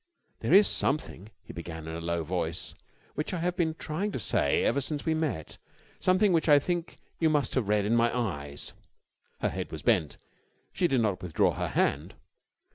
"There is something," he began in a low voice, "which I have been trying to say ever since we met, something which I think you must have read in my eyes." Her head was bent. She did not withdraw her hand.